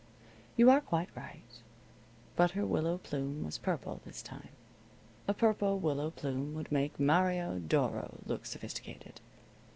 You are quite right. But her willow plume was purple this time. A purple willow plume would make Mario Doro look sophisticated.